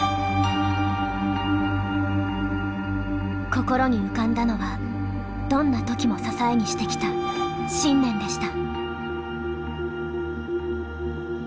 心に浮かんだのはどんな時も支えにしてきた信念でした。